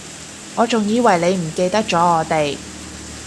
我仲以為你唔記得咗我哋